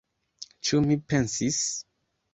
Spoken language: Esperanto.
Ĉu mi pensis?